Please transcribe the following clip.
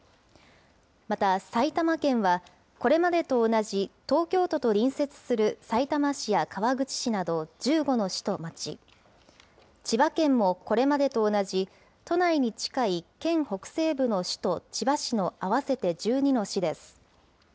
また埼玉県は、これまでと同じ東京都と隣接するさいたま市や川口市など１５の市と町、千葉県もこれまでと同じ都内に近い、県北西部の市と千葉市の合わせて１２の市です。